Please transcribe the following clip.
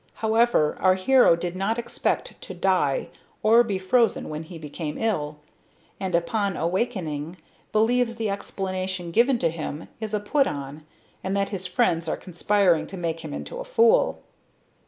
However, our hero did not expect to die or be frozen when he became ill and upon awakening believes the explanation given to him is a put on and that his friends are conspiring to make him into a fool.